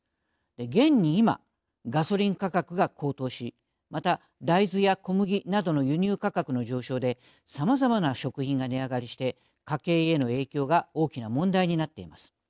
現に今ガソリン価格が高騰しまた大豆や小麦などの輸入価格の上昇でさまざまな食品が値上がりして家計への影響が大きな問題になっています。